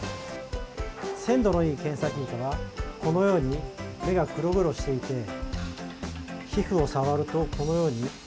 鮮度のいいケンサキイカはこのように目が黒々していて皮膚を触ると、このように。